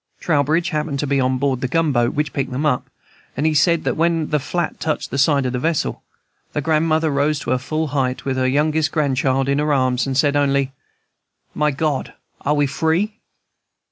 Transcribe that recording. Trowbridge happened to be on board the gunboat which picked them up, and he said that when the "flat" touched the side of the vessel, the grandmother rose to her full height, with her youngest grandchild in her arms, and said only, "My God! are we free?"